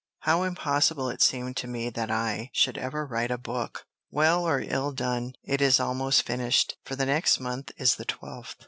How impossible it seemed to me that I should ever write a book! Well or ill done, it is almost finished, for the next month is the twelfth.